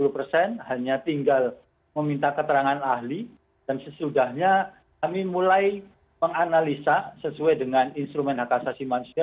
dua puluh persen hanya tinggal meminta keterangan ahli dan sesudahnya kami mulai menganalisa sesuai dengan instrumen hak asasi manusia